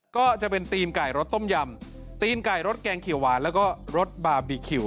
ก็จะเป็นตีนไก่รสต้มยำตีนไก่รสแกงเขียวหวานแล้วก็รสบาร์บีคิว